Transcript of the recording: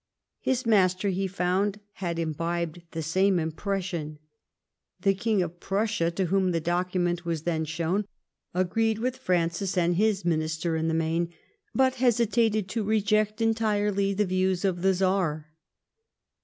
His master, he found, had imhibcd the same impression. The King of Prussia, to whom the document was then shown, agreed with Francis and his minister in the main, " but hesitated to reject entirely the views of tlie Czar."